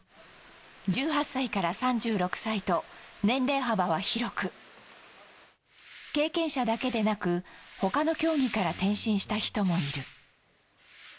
１８歳から３６歳と年齢幅は広く経験者だけでなく他の競技から転身した人もいる。